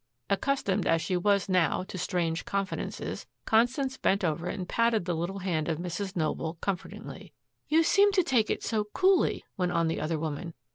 Accustomed as she was now to strange confidences, Constance bent over and patted the little hand of Mrs. Noble comfortingly. "You seemed to take it so coolly," went on the other woman.